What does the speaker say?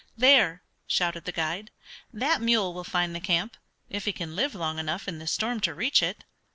"There," shouted the guide, "that mule will find the camp if he can live long enough in this storm to reach it."